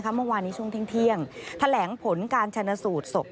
เมื่อวานนี้ช่วงเที่ยงแถลงผลการชนะสูตรศพ